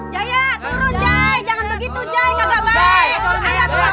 jaya turun jaya jangan begitu jaya